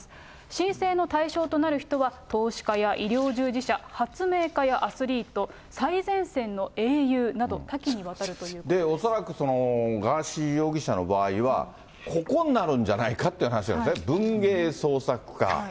申請の対象となる人は、投資家や医療従事者、発明家やアスリート、最前線の英雄など、恐らくその、ガーシー容疑者の場合は、ここになるんじゃないかって話なんですね、文芸創作家。